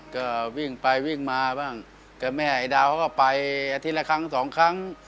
ก็วิ่งไปวิ่งมาบ้างแต่แม่ไอ้ดาวเขาก็ไปอาทิตย์ละครั้งสองครั้ง